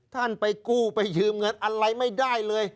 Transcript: ท่านไปกู้ไปยืมเงินอะไรไม่ได้เลย